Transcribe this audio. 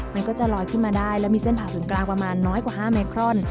มันก็จะลอยขึ้นมาได้แล้วมีเส้นผ่าศูนย์กลางประมาณน้อยกว่า๕ไมครอน